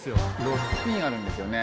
６品あるんですよね